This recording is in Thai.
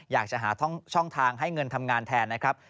อยากจะหาช่องทางให้เงินทำงานแทนนะครับ